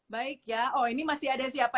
baik ya oh ini masih ada siapa